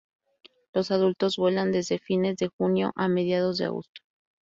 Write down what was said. Los adultos vuelan desde fines de junio a mediados de agosto.